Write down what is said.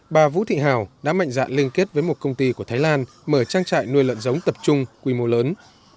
bà vũ thị hào đã mạnh dạn liên kết với một công ty của thái lan mở trang trại nuôi lợn giống tập trung quy mô lớn